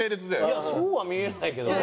いやそうは見えないけどな。